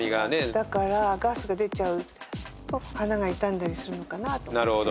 だからガスが出ちゃうと花が傷んだりするのかなと思って。